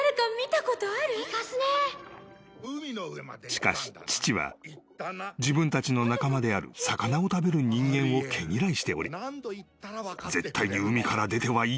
［しかし父は自分たちの仲間である魚を食べる人間を毛嫌いしており絶対に海から出てはいけないと告げる］